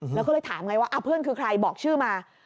แล้วก็เลยถามไงว่าเพื่อนคือใครบอกชื่อมา